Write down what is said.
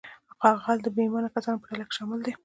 غل د بې ایمانه کسانو په ډله کې شامل دی